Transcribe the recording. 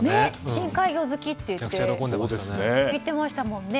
深海魚好きって言ってましたもんね。